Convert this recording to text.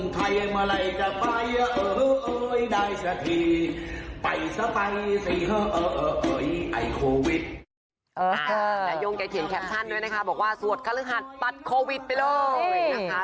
แต่ยงแกเขียนแคปชั่นด้วยนะคะบอกว่าสวดคฤหัสปัดโควิดไปเลยนะคะ